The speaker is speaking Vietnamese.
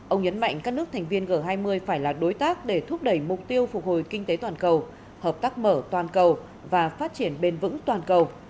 ông nhấn mạnh các nước thành viên g hai mươi phải là đối tác để thúc đẩy mục tiêu phục hồi kinh tế toàn cầu hợp tác mở toàn cầu và phát triển bền vững toàn cầu